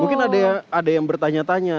mungkin ada yang bertanya tanya